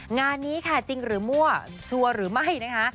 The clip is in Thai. งานนี้ค่ะจริงหรือมั่วชัวร์หรือไม่นะคะ